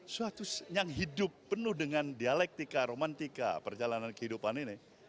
suatu yang hidup penuh dengan dialektika romantika perjalanan kehidupan ini